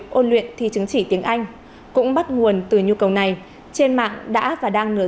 ôn luyện thi chứng chỉ tiếng anh cũng bắt nguồn từ nhu cầu này trên mạng đã và đang nửa